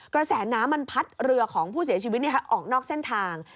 กระแสน้ำมันพัดเรือของผู้เสียชีวิตออกนอกเส้นทาง